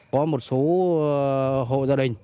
có một số hộ gia đình